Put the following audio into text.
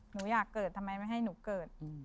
หนูอยากเกิดทำไมไม่ให้หนูเกิด